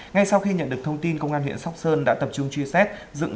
ngay sau khi nhận được thông tin công an huyện sóc sơn đã tập trung truy xét dựng